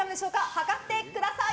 量ってください。